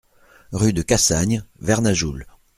Rue de Cassagne, Vernajoul